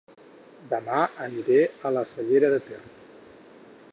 Dema aniré a La Cellera de Ter